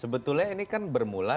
sebetulnya ini kan bermula